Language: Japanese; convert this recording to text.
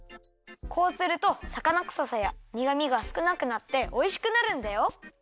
こうするとさかなくささやにがみがすくなくなっておいしくなるんだよ！